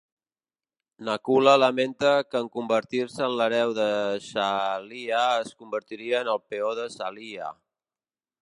Nakula lamenta que en convertir-se en l'hereu de Shalya, es convertiria en el peó de Shalya.